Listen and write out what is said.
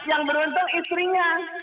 yang beruntung istrinya